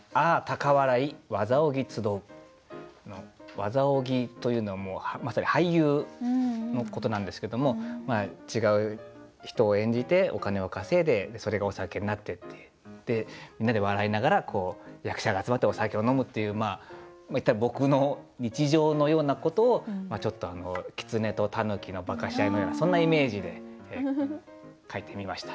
「わざおぎ」というのはまさに「俳優」のことなんですけども違う人を演じてお金を稼いでそれがお酒になってってみんなで笑いながら役者が集まってお酒を飲むっていういったら僕の日常のようなことをちょっときつねとたぬきの化かし合いのようなそんなイメージで書いてみました。